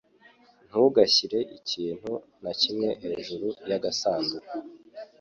Ntugashyire ikintu na kimwe hejuru yagasanduku.